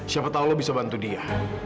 siapa tahu kamu bisa membantu dia